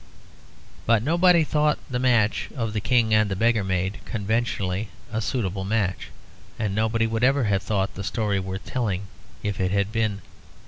But nobody thought the match of the king and the beggar maid conventionally a suitable match; and nobody would ever have thought the story worth telling if it had been.